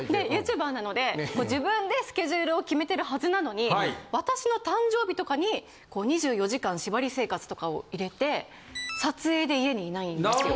ＹｏｕＴｕｂｅｒなので自分でスケジュールを決めてるはずなのに私の誕生日とかに２４時間縛り生活とかを入れて撮影で家にいないんですよ。